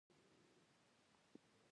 د مخې سپور يې د ټوپک په زخه کې راووست.